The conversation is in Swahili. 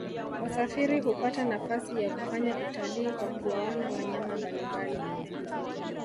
wasafiri hupata nafasi ya kufanya utalii kwa kuwaona wanyama mbalimbali